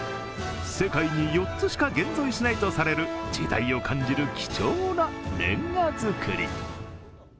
世界の４つしか現存しないとされる時代を感じる貴重なれんが造り。